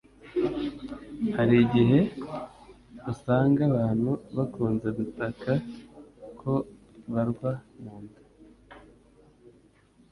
Hari igihe usanga abantu bakunze gutaka ko barwa mu nda